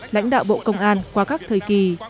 lãnh đạo bộ công an qua các thời kỳ